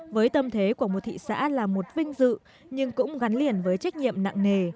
với tâm thế của một thị xã là một vinh dự nhưng cũng gắn liền với trách nhiệm nặng nề